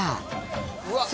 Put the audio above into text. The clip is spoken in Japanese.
うわっ！